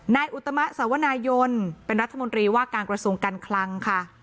อุตมะสวนายนเป็นรัฐมนตรีว่าการกระทรวงการคลังค่ะ